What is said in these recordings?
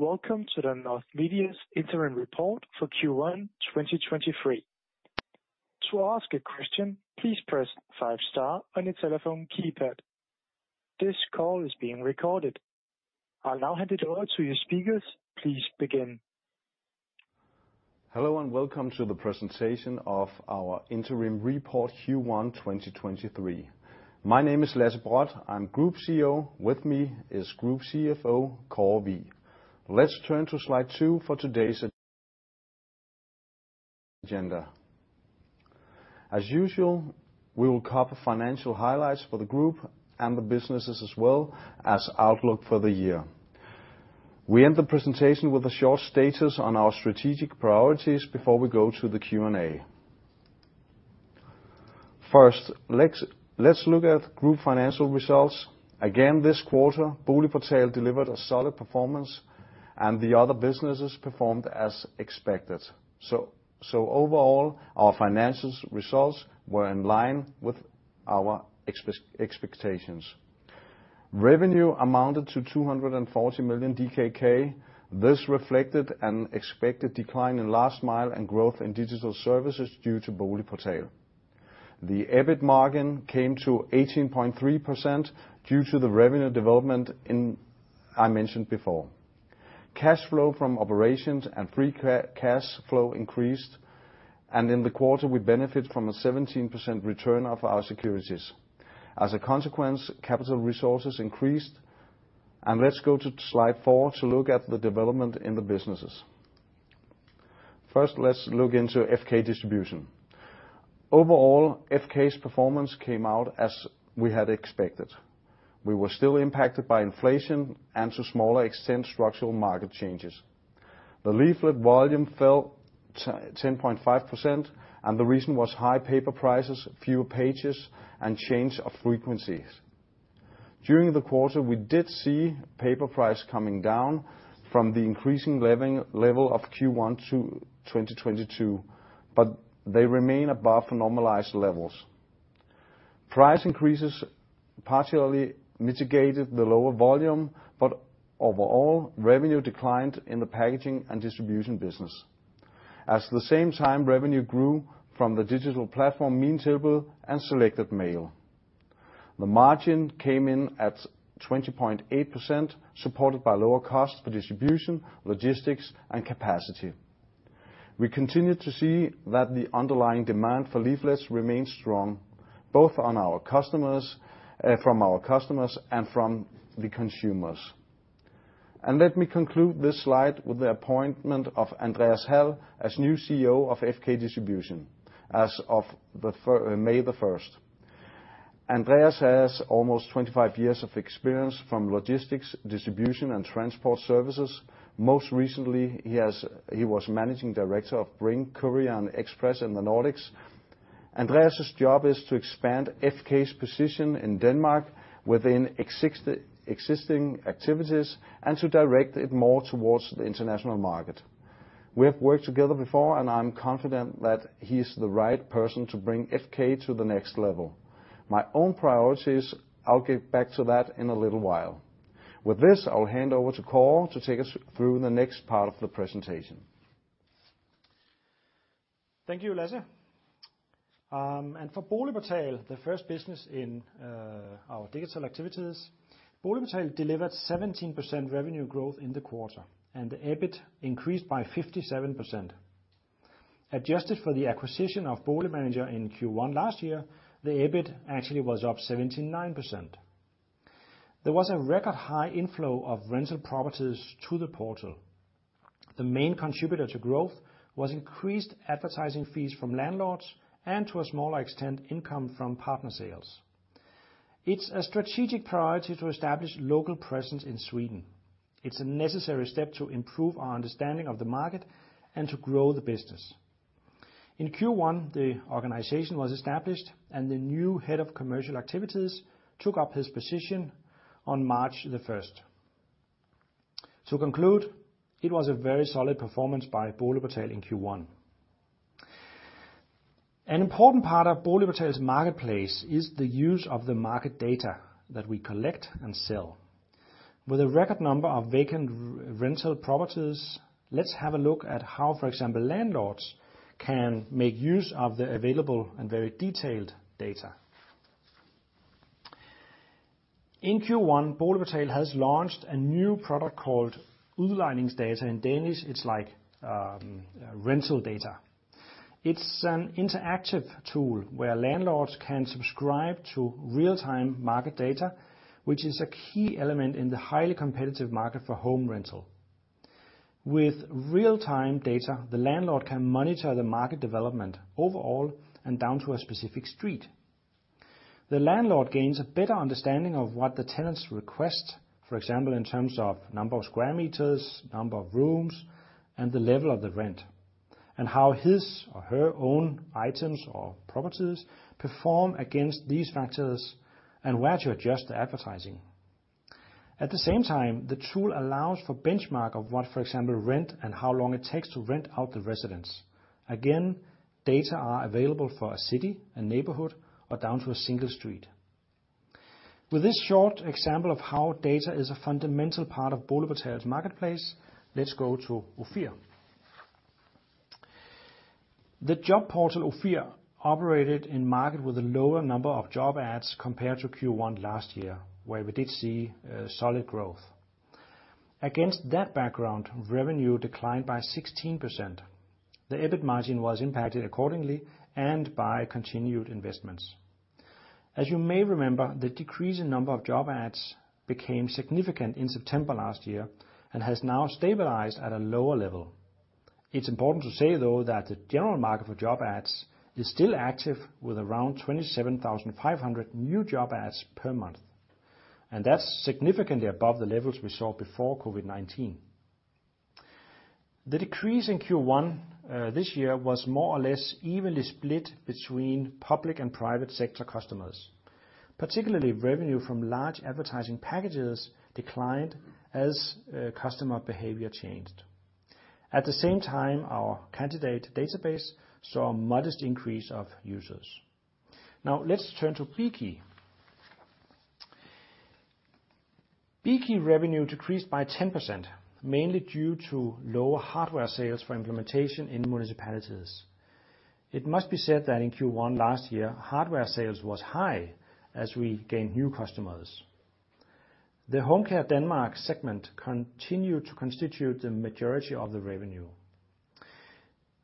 Welcome to the North Media's interim report for Q1, 2023. To ask a question, please press five star on your telephone keypad. This call is being recorded. I'll now hand it over to your speakers. Please begin. Hello, welcome to the presentation of our interim report Q1 2023. My name is Lasse Brodt. I'm Group CEO. With me is Group CFO, Kåre Wigh. Let's turn to slide two for today's agenda. As usual, we will cover financial highlights for the group and the businesses, as well as outlook for the year. We end the presentation with a short status on our strategic priorities before we go to the Q&A. First, let's look at group financial results. Again, this quarter, BoligPortal delivered a solid performance, and the other businesses performed as expected. Overall, our finances results were in line with our expectations. Revenue amounted to 240 million DKK. This reflected an expected decline in Last Mile and growth in digital services due to BoligPortal. The EBIT margin came to 18.3% due to the revenue development I mentioned before. Cash flow from operations and free cash flow increased. In the quarter, we benefit from a 17% return of our securities. As a consequence, capital resources increased. Let's go to slide three to look at the development in the businesses. First, let's look into FK Distribution. Overall, FK's performance came out as we had expected. We were still impacted by inflation and to smaller extent, structural market changes. The leaflet volume fell 10.5%. The reason was high paper prices, fewer pages, and change of frequencies. During the quarter, we did see paper price coming down from the increasing level of Q1 to 2022. They remain above normalized levels. Price increases partially mitigated the lower volume, overall, revenue declined in the packaging and distribution business. At the same time, revenue grew from the digital platform Minetilbud and Selected Mail. The margin came in at 20.8%, supported by lower cost for distribution, logistics, and capacity. We continued to see that the underlying demand for leaflets remains strong, both from our customers and from the consumers. Let me conclude this slide with the appointment of Andreas Hald as new CEO of FK Distribution as of May 1st. Andreas has almost 25 years of experience from logistics, distribution, and transport services. Most recently, he was Managing Director of Bring Courier & Express in the Nordics. Andreas's job is to expand FK's position in Denmark within existing activities and to direct it more towards the international market. We have worked together before. I'm confident that he's the right person to bring FK to the next level. My own priorities, I'll get back to that in a little while. With this, I'll hand over to Kåre to take us through the next part of the presentation. Thank you, Lasse. For BoligPortal, the first business in our digital activities, BoligPortal delivered 17% revenue growth in the quarter, and the EBIT increased by 57%. Adjusted for the acquisition of Boligmanager in Q1 last year, the EBIT actually was up 79%. There was a record high inflow of rental properties to the portal. The main contributor to growth was increased advertising fees from landlords and to a smaller extent, income from partner sales. It's a strategic priority to establish local presence in Sweden. It's a necessary step to improve our understanding of the market and to grow the business. In Q1, the organization was established and the new head of commercial activities took up his position on March 1st. To conclude, it was a very solid performance by BoligPortal in Q1. An important part of BoligPortal's marketplace is the use of the market data that we collect and sell. With a record number of vacant rental properties, let's have a look at how, for example, landlords can make use of the available and very detailed data. In Q1, BoligPortal has launched a new product called Udlejningsdata. In Danish, it's like rental data. It's an interactive tool where landlords can subscribe to real-time market data, which is a key element in the highly competitive market for home rental. With real-time data, the landlord can monitor the market development overall and down to a specific street. The landlord gains a better understanding of what the tenants request, for example, in terms of number of square meters, number of rooms, and the level of the rent, and how his or her own items or properties perform against these factors and where to adjust the advertising. At the same time, the tool allows for benchmark of what, for example, rent and how long it takes to rent out the residence. Data are available for a city, a neighborhood, or down to a single street. With this short example of how data is a fundamental part of BoligPortal's marketplace, let's go to Ofir. The job portal Ofir operated in market with a lower number of job ads compared to Q1 last year, where we did see solid growth. Against that background, revenue declined by 16%. The EBIT margin was impacted accordingly and by continued investments. As you may remember, the decrease in number of job ads became significant in September last year and has now stabilized at a lower level. It's important to say though, that the general market for job ads is still active with around 27,500 new job ads per month. That's significantly above the levels we saw before COVID-19. The decrease in Q1 this year was more or less evenly split between public and private sector customers. Particularly revenue from large advertising packages declined as customer behavior changed. At the same time, our candidate database saw a modest increase of users. Now let's turn to BeKey. BeKey revenue decreased by 10%, mainly due to lower hardware sales for implementation in municipalities. It must be said that in Q1 last year, hardware sales was high as we gained new customers. The Home Care Denmark segment continued to constitute the majority of the revenue.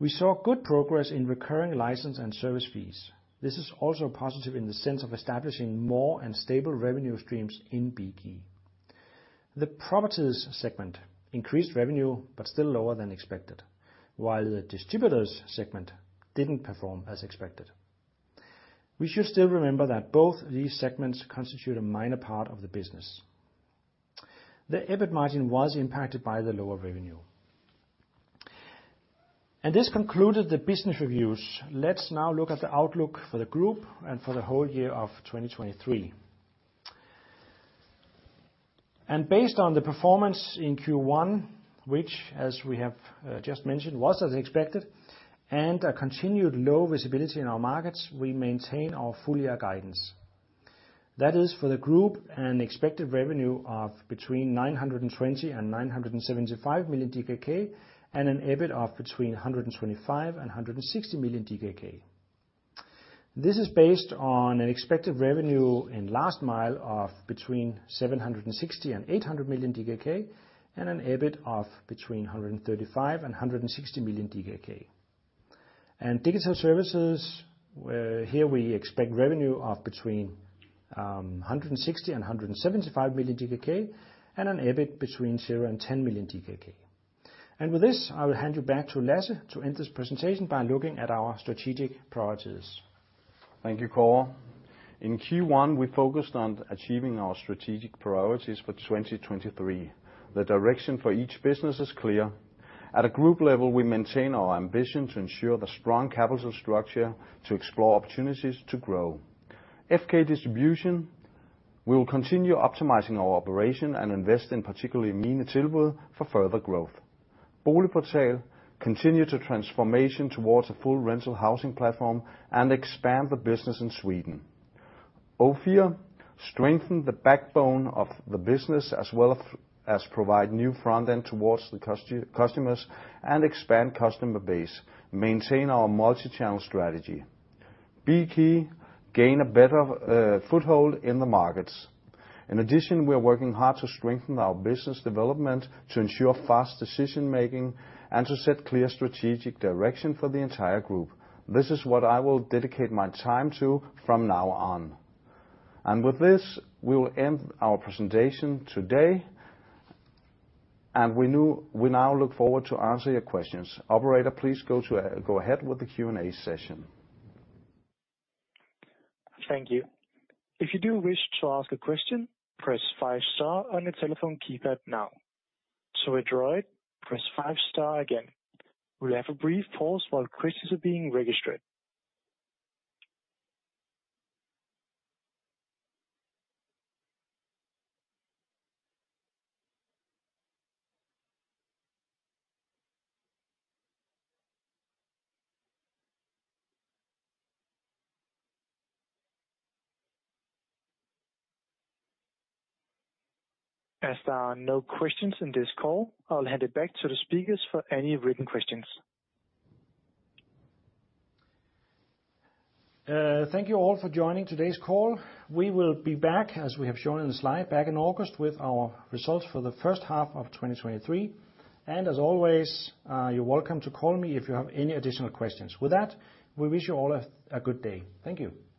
We saw good progress in recurring license and service fees. This is also positive in the sense of establishing more and stable revenue streams in BeKey. The properties segment increased revenue, but still lower than expected. The distributors segment didn't perform as expected. We should still remember that both these segments constitute a minor part of the business. The EBIT margin was impacted by the lower revenue. This concluded the business reviews. Let's now look at the outlook for the group and for the whole year of 2023. Based on the performance in Q1, which as we have just mentioned, was as expected and a continued low visibility in our markets, we maintain our full year guidance. That is for the group and expected revenue of between 920 million and 975 million DKK and an EBIT of between 125 million and 160 million DKK. This is based on an expected revenue in Last Mile of between 760 million and 800 million DKK, and an EBIT of between 135 million and 160 million DKK. In digital services, here we expect revenue of between 160 million and 175 million DKK and an EBIT between 0 and 10 million DKK. With this, I will hand you back to Lasse to end this presentation by looking at our strategic priorities. Thank you, Kåre. In Q1, we focused on achieving our strategic priorities for 2023. The direction for each business is clear. At a group level, we maintain our ambition to ensure the strong capital structure to explore opportunities to grow. FK Distribution, we will continue optimizing our operation and invest in particularly Minetilbud for further growth. BoligPortal continue to transformation towards a full rental housing platform and expand the business in Sweden. Ofir strengthen the backbone of the business as well as provide new front end towards the customers and expand customer base, maintain our multi-channel strategy. BeKey gain a better foothold in the markets. In addition, we are working hard to strengthen our business development to ensure fast decision-making and to set clear strategic direction for the entire group. This is what I will dedicate my time to from now on. With this, we will end our presentation today, and we now look forward to answer your questions. Operator, please go to, go ahead with the Q&A session. Thank you. If you do wish to ask a question, press five star on your telephone keypad now. To withdraw it, press five star again. We'll have a brief pause while questions are being registered. As there are no questions in this call, I'll hand it back to the speakers for any written questions. Thank you all for joining today's call. We will be back, as we have shown in the slide, back in August with our results for the first half of 2023. As always, you're welcome to call me if you have any additional questions. With that, we wish you all a good day. Thank you.